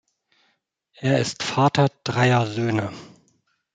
Er ist Vater dreier Söhne.